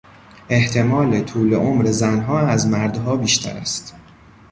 احتمال طول عمر زنها از مردها بیشتر است.